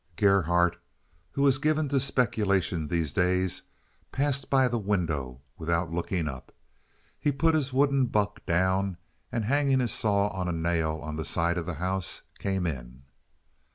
Gerhardt, who was given to speculation these days, passed by the window without looking up. He put his wooden buck down, and, hanging his saw on a nail on the side of the house, came in.